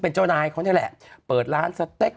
เป็นเจ้านายเขานี่แหละเปิดร้านสเต็ก